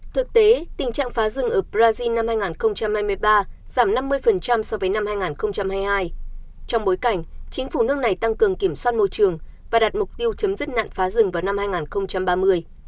thực tế tình trạng phá rừng ở brazil năm hai nghìn hai mươi ba giảm năm mươi so với năm hai nghìn hai mươi hai trong bối cảnh chính phủ nước này tăng cường kiểm soát môi trường và đặt mục tiêu chấm dứt nạn phá rừng vào năm hai nghìn ba mươi